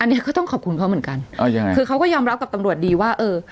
อันนี้ก็ต้องขอบคุณเขาเหมือนกันอ่ายังไงคือเขาก็ยอมรับกับตำรวจดีว่าเออ